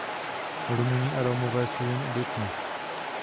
Rumuni a Romové jsou jen obětmi.